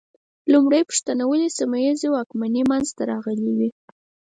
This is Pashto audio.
لومړۍ پوښتنه: ولې سیمه ییزې واکمنۍ منځ ته راغلې وې؟